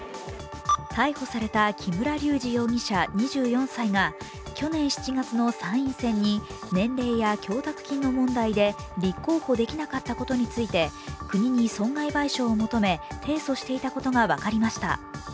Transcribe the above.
逮捕された木村隆二容疑者２４歳が去年７月の参院選に年齢や供託金の問題で立候補できなかったことについて国に損害賠償を求め提訴していたことが分かりました。